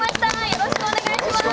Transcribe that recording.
よろしくお願いします。